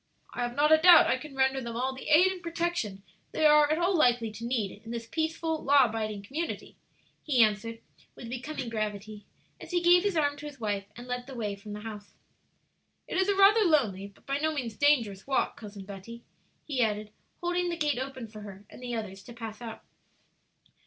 "I have not a doubt I can render them all the aid and protection they are at all likely to need in this peaceful, law abiding community," he answered, with becoming gravity, as he gave his arm to his wife, and led the way from the house. "It is a rather lonely but by no means dangerous walk, Cousin Betty," he added, holding the gate open for her and the others to pass out.